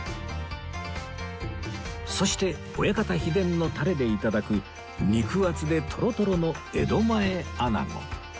そして親方秘伝のタレで頂く肉厚でとろとろの江戸前穴子